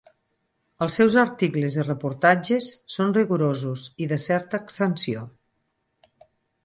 Els seus articles i reportatges són rigorosos i de certa extensió.